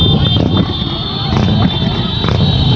สวัสดีครับทุกคน